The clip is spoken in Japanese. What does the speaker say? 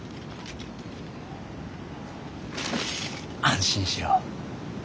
安心しろ。